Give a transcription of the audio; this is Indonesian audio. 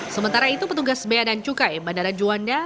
sementara itu petugas b a dan cukai bandara juanda